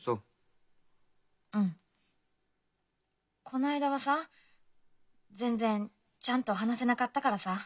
こないだはさぁ全然ちゃんと話せなかったからさぁ。